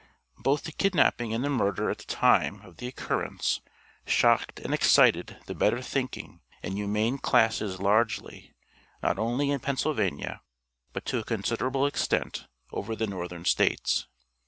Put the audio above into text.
Both the kidnapping and the murder at the time of the occurrence shocked and excited the better thinking and humane classes largely, not only in Pennsylvania, but to a considerable extent over the Northern States.